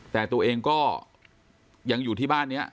แต่ตัวเองก็ยังอยู่ที่บ้านนี้